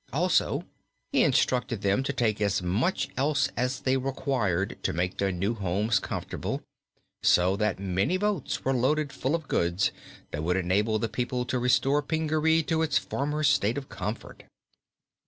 Also he instructed them to take as much else as they required to make their new homes comfortable, so that many boats were loaded full of goods that would enable the people to restore Pingaree to its former state of comfort.